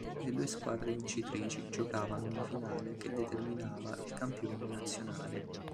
Le due squadre vincitrici giocavano una finale che determinava il campione nazionale.